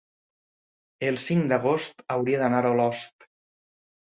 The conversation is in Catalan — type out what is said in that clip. el cinc d'agost hauria d'anar a Olost.